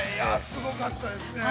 すごかったですね。